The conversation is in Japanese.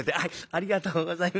ありがとうございます。